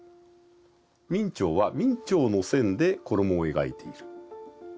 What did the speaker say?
明兆は明兆の線で衣を描いている。